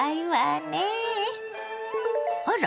あら？